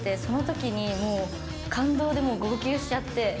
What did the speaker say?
そのときに感動で号泣しちゃって。